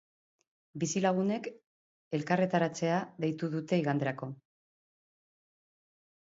Bizilagunek elkarretaratzea deitu dute iganderako.